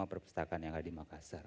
perpustakaan yang ada di makassar